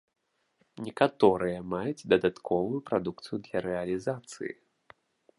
Некаторыя маюць дадатковую прадукцыю для рэалізацыі.